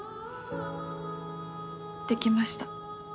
できました。